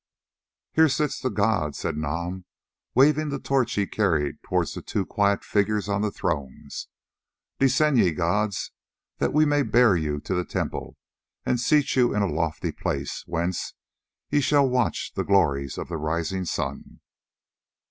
"Here sit the gods," said Nam, waving the torch that he carried towards the two quiet figures on the thrones. "Descend, ye gods, that we may bear you to the temple and seat you in a lofty place, whence ye shall watch the glories of the rising sun."